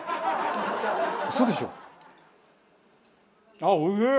あっおいしい！